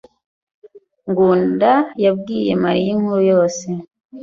Ngunda yabwiye Mariya inkuru yose.